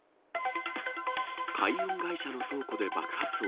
海運会社の倉庫で爆発音。